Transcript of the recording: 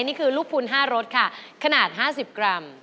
นี่คือลูกพูน๕รสค่ะขนาด๕๐กรัม